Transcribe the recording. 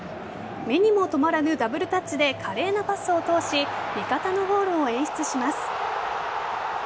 目にも留まらぬダブルタッチで華麗なパスを通し味方のゴールを演出します。